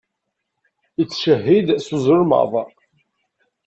Ittcehhid s uzelmaḍ.